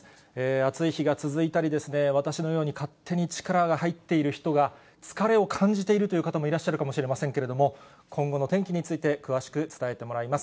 暑い日が続いたり、私のように勝手に力が入っている人が、疲れを感じているという方もいらっしゃるかもしれませんけれども、今後の天気について、詳しく伝えてもらいます。